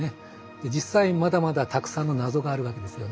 実際まだまだたくさんの謎があるわけですよね。